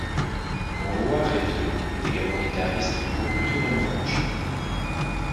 Juha Raivio est également guitariste du groupe Plutonium Orange.